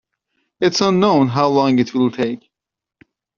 It is unknown how long it will take.